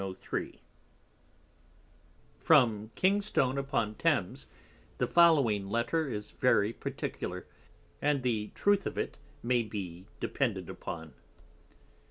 From Kingstone upon Thames, the following Letter is very particular, and the truth of it may be depended upon.